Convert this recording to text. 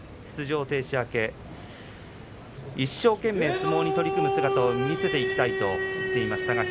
出場停止明け、一生懸命相撲に取り組む姿を見せていきたいと話していました